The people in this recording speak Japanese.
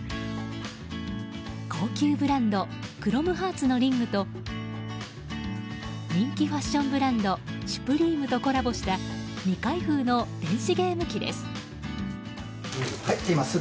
高級ブランドクロムハーツのリングと人気ファッションブランドシュプリームとコラボした未開封の電子ゲーム機です。